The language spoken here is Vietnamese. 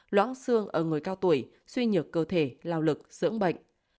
loãng xương ở người cao tuổi suy nhược cơ thể lao lực dưỡng bệnh